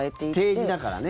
提示だからね。